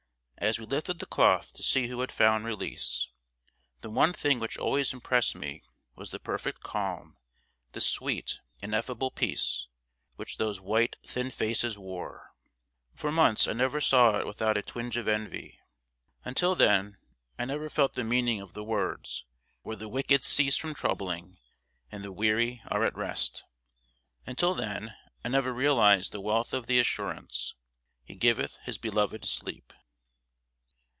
As we lifted the cloth, to see who had found release, the one thing which always impressed me was the perfect calm, the sweet, ineffable peace, which those white, thin faces wore. For months I never saw it without a twinge of envy. Until then I never felt the meaning of the words, "where the wicked cease from troubling and the weary are at rest." Until then I never realized the wealth of the assurance, "He giveth his beloved sleep."